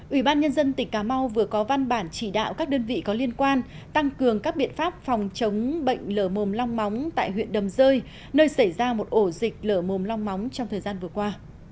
ủy ban nhân dân tỉnh cà mau vừa có văn bản chỉ đạo các đơn vị có liên quan tăng cường các biện pháp phòng chống bệnh lở mồm long móng tại huyện đầm rơi nơi xảy ra một ổ dịch lở mồm long móng trong thời gian vừa qua